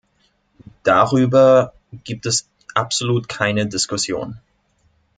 Darüber gibt es absolut keine Diskussion.